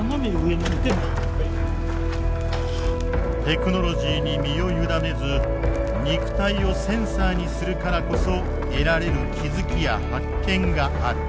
テクノロジーに身を委ねず肉体をセンサーにするからこそ得られる気付きや発見がある。